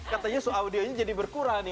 katanya audio nya jadi berkurang